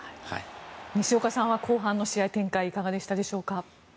西岡さんは後半の試合展開いかがでしたでしょうか。